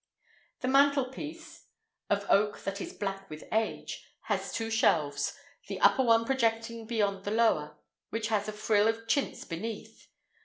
The mantelpiece—of oak that is black with age—has two shelves, the upper one projecting beyond the lower, which has a frill of chintz beneath.